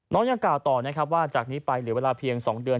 ยังกล่าวต่อนะครับว่าจากนี้ไปเหลือเวลาเพียง๒เดือน